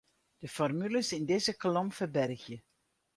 De formules yn dizze kolom ferbergje.